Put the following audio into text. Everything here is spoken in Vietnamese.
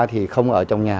thì không ở trong nhà